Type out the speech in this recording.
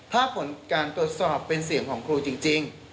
ถ้าผลการตรวจสอบเป็นเสียงของครูจริง